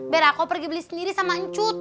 biar aku pergi beli sendiri sama cut